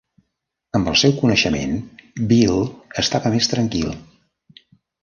Amb el seu coneixement, Bill estava més tranquil.